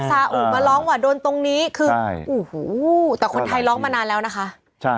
ซาอุมาร้องว่าโดนตรงนี้คือโอ้โหแต่คนไทยร้องมานานแล้วนะคะใช่